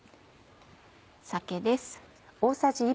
酒です。